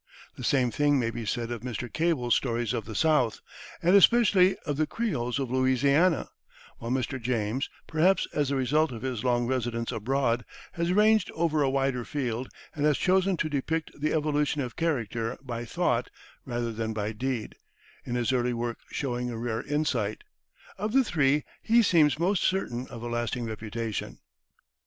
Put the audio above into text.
The same thing may be said of Mr. Cable's stories of the South, and especially of the Creoles of Louisiana; while Mr. James, perhaps as the result of his long residence abroad, has ranged over a wider field, and has chosen to depict the evolution of character by thought rather than by deed, in his early work showing a rare insight. Of the three, he seems most certain of a lasting reputation.